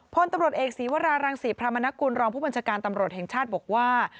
พลตำรวจเอกศีวรารังศรีพระมนกุลรองผู้บัญชาการตำรวจแห่งชาติบอกว่า